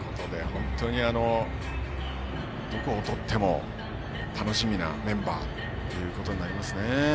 本当にどこをとっても楽しみなメンバーとなりますね。